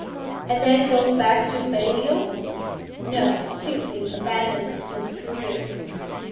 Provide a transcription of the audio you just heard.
'And then goes back to Balliol?' 'No, simply abandons his career.'